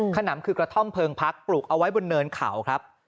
ขนำคือกระท่อมเพลิงพักปลูกเอาไว้บนเนินเขาครับ